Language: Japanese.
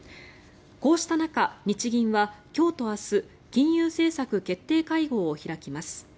こうした中、日銀は今日と明日金融政策決定会合を開きます。